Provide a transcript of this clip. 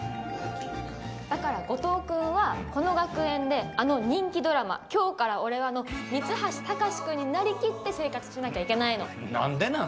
だから後藤君は、この学園であの人気ドラマ、今日から俺は！！の三橋たかし君になりきって生活しなきゃいけないの。なんでなん？